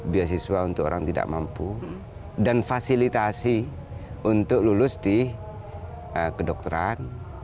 beasiswa untuk orang tidak mampu dan fasilitasi untuk lulus di kedokteran